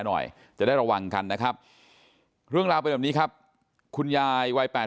หน่อยจะได้ระวังกันนะครับเรื่องราวเป็นแบบนี้ครับคุณยายวัย๘๐